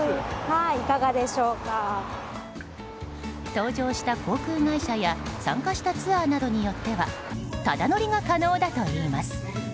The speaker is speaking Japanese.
搭乗した航空会社や参加したツアーなどによってはタダ乗りが可能だといいます。